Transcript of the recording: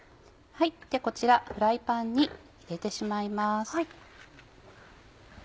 こちらフライパンに入れてしまいます。